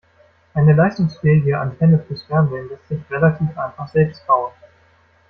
Eine leistungsfähige Antenne fürs Fernsehen lässt sich relativ einfach selbst bauen.